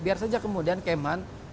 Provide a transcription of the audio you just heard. biar saja kemudian km han